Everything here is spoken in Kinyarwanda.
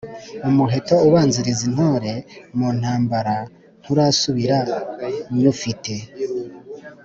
Umuheto ubanziriza intore mu ntambara nturasubira nywufite,